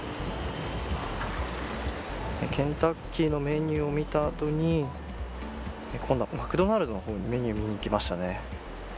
ケンタッキーのメニューを見た後に今度はマクドナルドのメニューも見にいきましたね